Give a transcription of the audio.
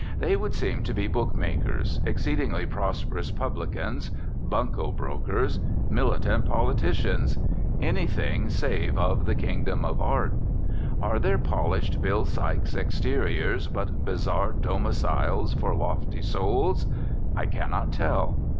They would seem to be bookmakers, exceedingly prosperous publicans, bunco brokers, militant politicians anything save of the Kingdom of Art. Are their polished Bill Sykes' exteriors but bizarre domiciles for lofty souls? I cannot tell.